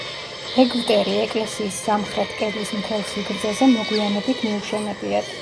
ეგვტერი ეკლესიის სამხრეთ კედლის მთელ სიგრძეზე მოგვიანებით მიუშენებიათ.